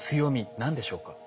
何でしょうか？